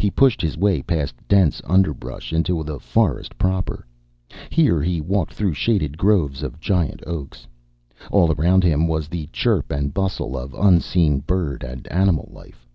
He pushed his way past dense underbrush into the forest proper. Here he walked through shaded groves of giant oaks. All around him was the chirp and bustle of unseen bird and animal life.